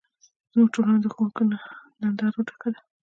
زموږ ټولنه د ښوونکو نه، د نندارو ډکه ده.